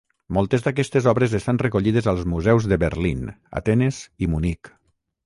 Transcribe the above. Moltes d'aquestes obres estan recollides als museus de Berlín, Atenes i Munic.